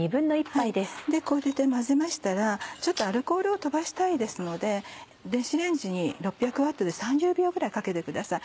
これで混ぜましたらアルコールを飛ばしたいので電子レンジに６００Ｗで３０秒ぐらいかけてください。